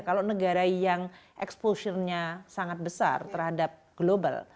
kalau negara yang exposure nya sangat besar terhadap global